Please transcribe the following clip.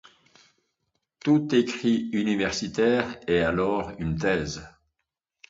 Tout écrit universitaire est alors une thèse.